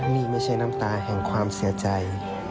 นี่ไม่ใช่น้ำตาแห่งความเสียใจ